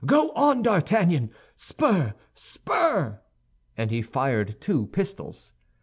"Go on, D'Artagnan! Spur, spur!" and he fired two pistols.